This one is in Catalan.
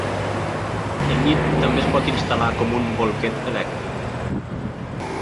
El llit també es pot instal·lar com un bolquet elèctric.